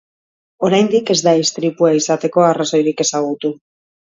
Oraindik ez da istripua izateko arrazoirik ezagutu.